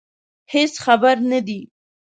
هېڅ خبر نه دي.